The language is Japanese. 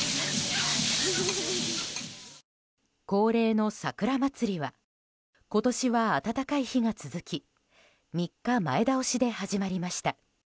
恒例の桜まつりは今年は暖かい日が続き３日前倒しで始まりました。